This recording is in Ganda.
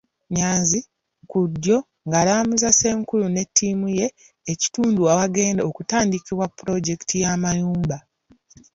Nyanzi ( ku ddyo) nga alambuza Ssenkulu ne ttiimu ye ekitundu awagenda okutandikibwa pulojekiti y’amayumba.